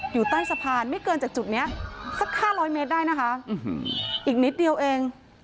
อยู่ใต้สะพานไม่เกินจากจุดนี้สัก๕๐๐เมตรได้นะคะอีกนิดเดียวเอง